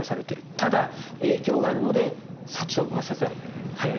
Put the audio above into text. ただ、影響があるので殺処分は早い段階でせざるを得ない。